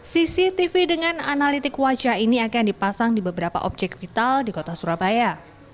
cctv dengan analitik wajah ini akan dipasang di beberapa objek vital di kota surabaya